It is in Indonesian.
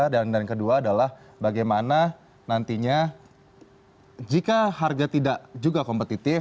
dan yang kedua adalah bagaimana nantinya jika harga tidak juga kompetitif